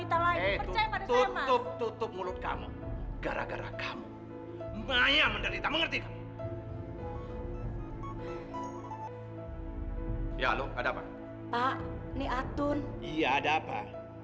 iya ada apa